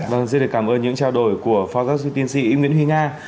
vâng xin cảm ơn những trao đổi của phó giáo sư tiên sĩ ím nguyễn huy nga